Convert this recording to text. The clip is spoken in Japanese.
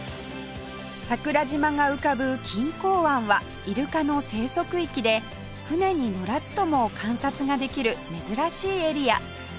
桜島が浮かぶ錦江湾はイルカの生息域で船に乗らずとも観察ができる珍しいエリア